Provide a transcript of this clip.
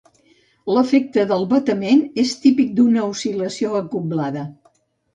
L'efecte del batement és típic d'una oscil·lació acoblada.